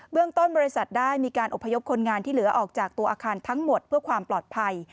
เรื่องต้นบริษัทได้มีการอบพยพคนงานที่เหลือออกจากตัวอาคารทั้งหมดเพื่อความปลอดภัย